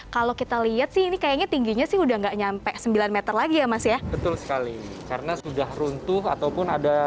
kalau kita lihat sih ini kayaknya tingginya sih udah nggak nyampe sembilan m lagi ya mas ya betul sekali karena sudah runtuh ataupun ada